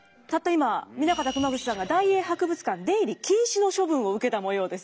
今南方熊楠さんが大英博物館出入り禁止の処分を受けた模様です。